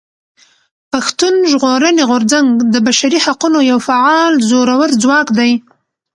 پښتون ژغورني غورځنګ د بشري حقونو يو فعال زورور ځواک دی.